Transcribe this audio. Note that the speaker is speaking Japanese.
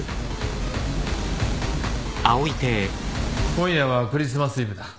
今夜はクリスマスイブだ。